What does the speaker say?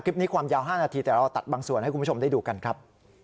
คลิปนี้ความยาว๕นาทีแต่เราตัดบางส่วนให้คุณผู้ชมได้ดูกันครับ